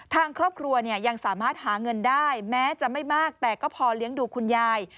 ทางครอบครัวเนี่ยยังสามารถหาเงินได้แม้จะไม่มากแต่ก็พอเลี้ยงดูคุณยาย